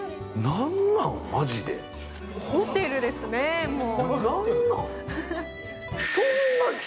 ホテルですね、もう。